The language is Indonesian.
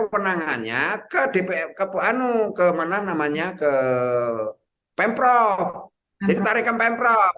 perpenaannya ke pemprov